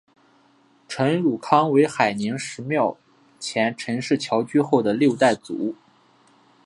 陈汝康为海宁十庙前陈氏迁居后的六代祖。